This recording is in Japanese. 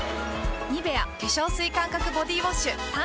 「ニベア」化粧水感覚ボディウォッシュ誕生！